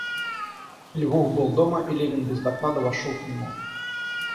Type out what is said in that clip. Львов был дома, и Левин без доклада вошел к нему.